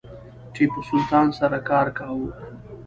ټیپو سلطان سره کار کاوه.